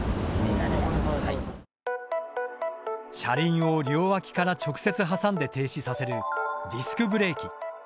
車輪を両脇から直接挟んで停止させるディスクブレーキ。